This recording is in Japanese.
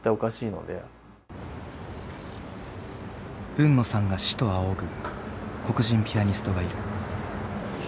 海野さんが師と仰ぐ黒人ピアニストがいる。